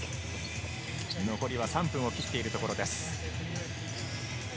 残りは３分を切っているところです。